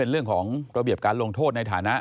ก็ต้องเอาตัวมาลงโทษ